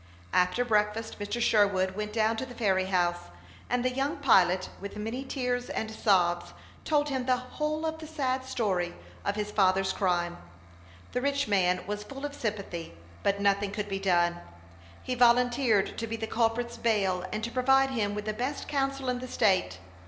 After breakfast Mr. Sherwood went down to the ferry house; and the young pilot, with many tears and sobs, told him the whole of the sad story of his father's crime. The rich man was full, of sympathy, but nothing could be done. He volunteered to be the culprit's bail, and to provide him with the best counsel in the state.